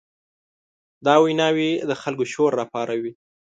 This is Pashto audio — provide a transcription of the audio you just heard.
دا ویناوې د خلکو شور راپاروي.